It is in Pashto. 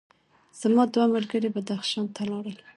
زما دوه ملګري بدخشان ته لاړل.